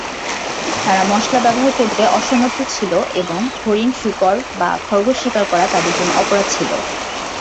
তারা মশলা ব্যবহার করতে অসমর্থ ছিল এবং হরিণ, শূকর বা খরগোশ শিকার করা তাদের জন্য অপরাধ ছিল।